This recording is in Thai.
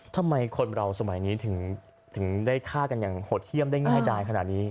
ทำไมคนเราสมัยนี้ถึงได้ฆ่ากันอย่างโหดเยี่ยมได้ง่ายดายขนาดนี้